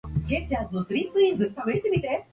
お願い致します。